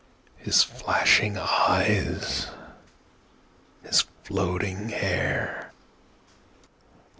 His flashing eyes, his floating hair!